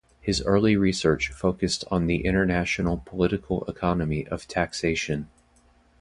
His early research focused on the international political economy of taxation.